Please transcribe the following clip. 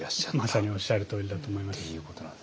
まさにおっしゃるとおりだと思います。